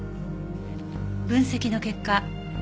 分析の結果対立